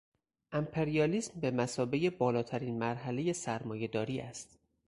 امپریالیسم بمثابهٔ بالاترین مرحلهٔ سرمایه داری است.